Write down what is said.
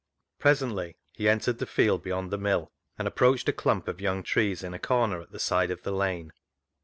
Presently he entered the field beyond the mill, and approached a clump of young trees in a corner at the side of the lane.